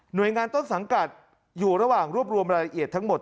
โดยงานต้นสังกัดอยู่ระหว่างรวบรวมรายละเอียดทั้งหมด